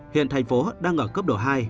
hiện tp hcm đang ở cấp độ hai